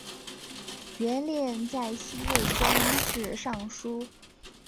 元烈在西魏官至尚书。